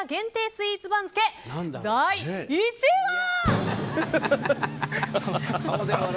スイーツ番付第１位は。